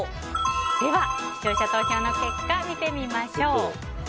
では、視聴者投票の結果見てみましょう。